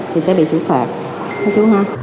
thì sẽ bị xử phạt